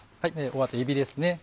あとえびですね